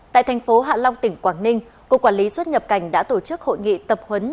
tại thành phố hạ long tỉnh quảng ninh cục quản lý xuất nhập cảnh đã tổ chức hội nghị tập huấn